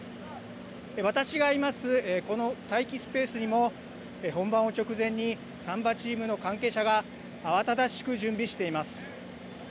私がいます、この待機スペースにも、本番を直前に、サンバチームの関係者が、慌ただしく準備しています。